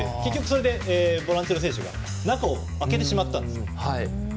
それでボランチの選手が中を空けてしまったんです。